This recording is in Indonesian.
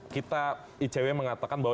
kita icw mengatakan bahwa